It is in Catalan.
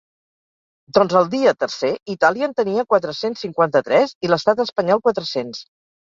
Doncs el dia tercer, Itàlia en tenia quatre-cents cinquanta-tres i l’estat espanyol, quatre-cents.